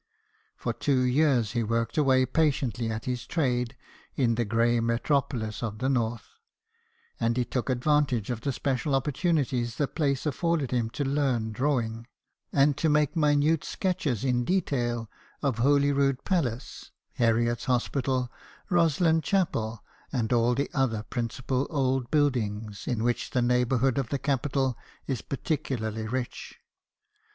For two years, he worked away patiently at his trade in "the grey metropolis of the North ;" and he took advantage of the 14 BIOGRAPHIES OF WORKING MEN, special opportunities the place afforded him to learn drawing, and to make minute sketches in detail of Holyrood Palace, Heriot's Hospital, Roslyn Chapel, and all the other principal old buildings in which the neighbourhood of the capital is particularly rich.